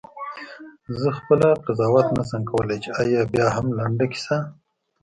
زه خپله قضاوت نه شم کولای چې آیا بیاهم لنډه کیسه؟ …